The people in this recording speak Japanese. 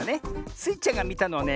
スイちゃんがみたのはね